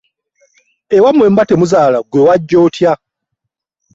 Ewammwe bwe muba temuzaala ggwe wajja otya?